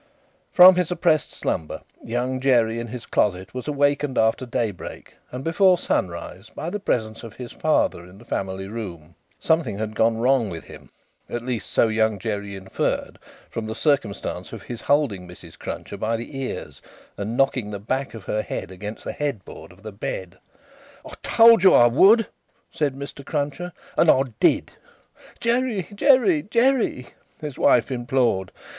From his oppressed slumber, Young Jerry in his closet was awakened after daybreak and before sunrise, by the presence of his father in the family room. Something had gone wrong with him; at least, so Young Jerry inferred, from the circumstance of his holding Mrs. Cruncher by the ears, and knocking the back of her head against the head board of the bed. "I told you I would," said Mr. Cruncher, "and I did." "Jerry, Jerry, Jerry!" his wife implored.